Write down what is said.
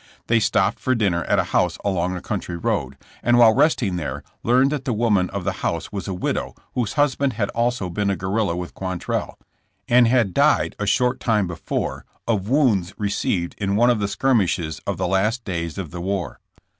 They stopped for dinner at a house along a country road, and while resting there learned that the woman of the house was a widow whose husband had also been a guerrilla with Quantrell, and had died a short time before of wounds received in one of the skirmishes of the last days of the war.